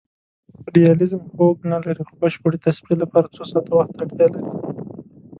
دیالیز خوږ نه لري خو بشپړې تصفیې لپاره څو ساعته وخت ته اړتیا لري.